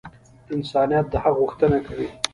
انسانیت د حق غوښتنه کوي.